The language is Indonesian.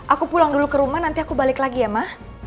aku pulang dulu ke rumah nanti aku balik lagi ya mak